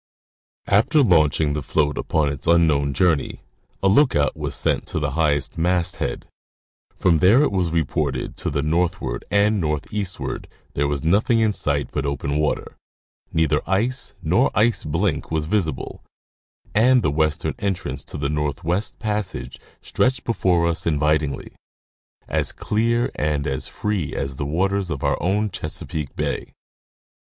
After launching the float upon its unknown journey, a lookout was sent to the highest masthead: from there it was reported that to the northward and northeastward there was nothing in sight but open water, neither ice nor ice blink was visible, and the western entrance to the Northwest passage stretched before us invitingly, as clear and as free as the waters of our own Chesapeake bay.